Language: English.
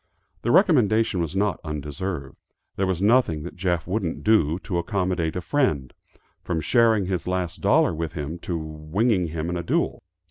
The recommendation was not undeserved. There was nothing that Jeff wouldn't do, to accommodate a friend, from sharing his last dollar with him, to winging him in a duel.